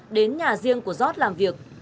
đến nhà riêng của gióp gần đây